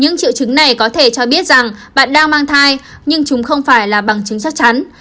những triệu chứng này có thể cho biết rằng bạn đang mang thai nhưng chúng không phải là bằng chứng chắc chắn